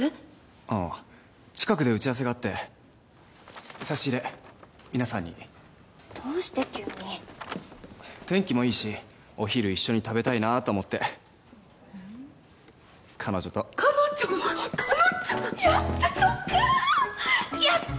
あぁ近くで打ち合わせがあって差し入れ皆さんにどうして急に天気もいいしお昼一緒に食べたいなと思って彼女と彼女彼女やっとかやった！